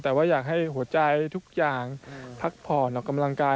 แต่ว่าอยากให้หัวใจทุกอย่างพักผ่อนออกกำลังกาย